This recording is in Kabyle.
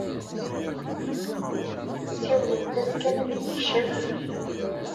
Siwlemt-as kan ad d-ikcem!